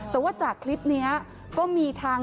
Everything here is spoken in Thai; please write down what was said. แต่ว่าจากคลิปนี้ก็มีทาง